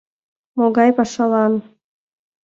Могай пашалан?